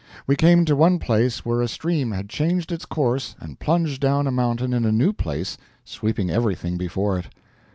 We came to one place where a stream had changed its course and plunged down a mountain in a new place, sweeping everything before it.